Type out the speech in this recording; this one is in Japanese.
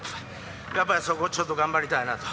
やっぱりそこ、ちょっと頑張りたいなと。